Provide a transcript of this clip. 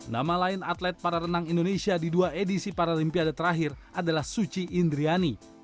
nama lain atlet para renang indonesia di dua edisi paralimpiade terakhir adalah suci indriani